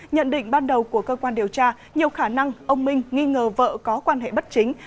nhận định ban đầu của cơ quan điều tra nhiều khả năng ông minh nghi ngờ vợ có quan hệ bất chính